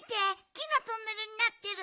木のトンネルになってる。